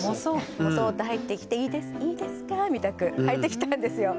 もそっと入ってきて「いいですいいですか？」みたく入ってきたんですよ。